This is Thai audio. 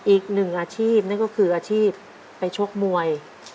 อีกหนึ่งอาชีพนั่นก็คืออาชีพไปชกมวย